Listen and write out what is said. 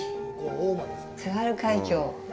津軽海峡。